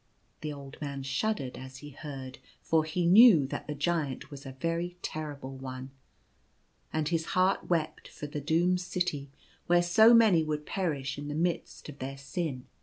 The old man shuddered as he heard, for he knew that the Giant was a very terrible one ; and his heart wept for the doomed city where so many would perish in the midst of their sin.